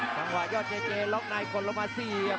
จังหวะยอดเจเจรอบนายกดละมาสี่ครับ